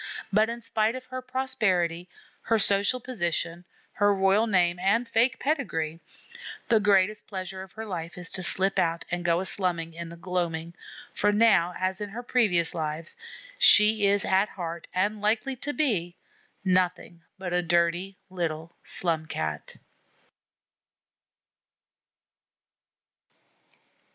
But in spite of her prosperity, her social position, her royal name and fake pedigree, the greatest pleasure of her life is to slip out and go a slumming in the gloaming, for now, as in her previous lives, she is at heart, and likely to be, nothing but a dirty little Slum Cat.